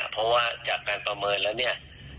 เพราะว่าจากการประเมินแล้วเนี่ย